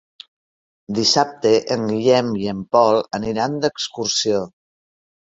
Dissabte en Guillem i en Pol aniran d'excursió.